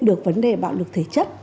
được vấn đề bạo lực thể chất